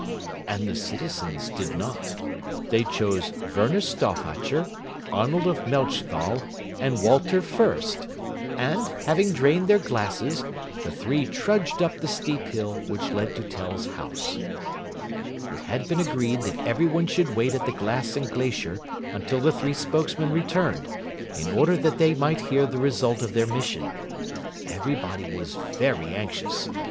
_" And the citizens did not. They chose Werner Stauffacher, Arnold of Melchthal, and Walter Fürst, and, having drained their glasses, the three trudged up the steep hill which led to Tell's house. It had been agreed that everyone should wait at the Glass and Glacier until the three spokesmen returned, in order that they might hear the result of their mission. Everybody was very anxious.